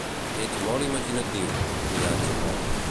Ets molt imaginatiu, li ha etzibat.